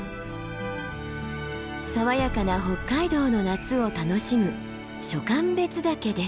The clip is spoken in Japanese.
爽やかな北海道の夏を楽しむ暑寒別岳です。